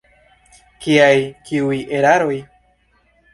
Kiaj, kiuj eraroj?